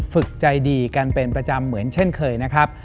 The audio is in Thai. ฝึกใจดีกันเป็นประจำเหมือนเช่นเคยนะครับ